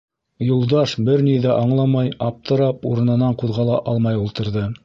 Юлдаш бер ни ҙә аңламай, аптырап, урынынан ҡуҙғала алмай ултырҙы.